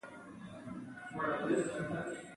د عشق خدای ستړی احساس د مزدور راکړی